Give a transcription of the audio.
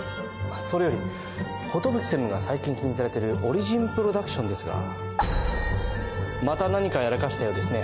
それより寿専務が最近気にされてるオリジン・プロダクションですがまた何かやらかしたようですね